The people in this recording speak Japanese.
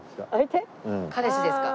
彼氏ですか？